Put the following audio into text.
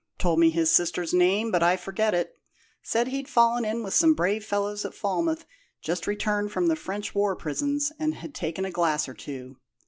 Told me his sister's name, but I forget it. Said he'd fallen in with some brave fellows at Falmouth just returned from the French war prisons, and had taken a glass or two.